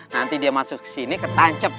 nanti dia masuk ke sini ketancep